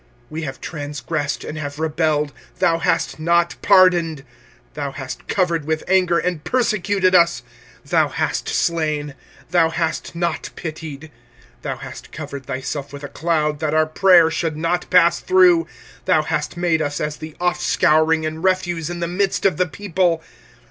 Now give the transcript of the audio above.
25:003:042 We have transgressed and have rebelled: thou hast not pardoned. 25:003:043 Thou hast covered with anger, and persecuted us: thou hast slain, thou hast not pitied. 25:003:044 Thou hast covered thyself with a cloud, that our prayer should not pass through. 25:003:045 Thou hast made us as the offscouring and refuse in the midst of the people.